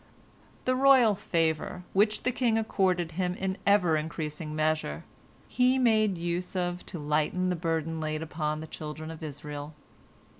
" The royal favor, which the king accorded him in ever increasing measure, he made use of to lighten the burden laid upon the children of Israel.